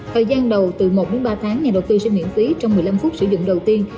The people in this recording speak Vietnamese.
thời gian đầu từ một đến ba tháng nhà đầu tư sẽ miễn phí trong một mươi năm phút sử dụng đầu tiên